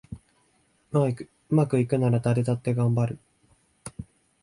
うまくいくなら誰だってがんばる